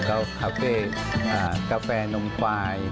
ก็คาเฟ่กาแฟนมควาย